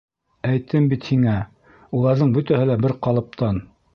Әйттем бит һиңә: уларҙың бөтәһе лә бер ҡалыптан...